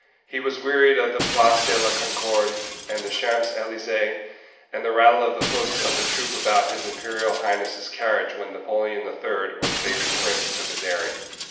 He was weary of the Place de la Concorde, and the Champs Elysées, and the rattle of the hoofs of the troop about his imperial highness's carriage when Napoleon the Third or the baby prince took his airing.